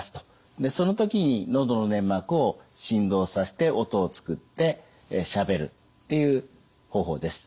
でその時に喉の粘膜を振動させて音を作ってしゃべるっていう方法です。